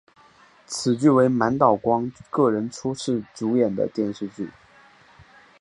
此剧为满岛光个人初次主演的电视剧。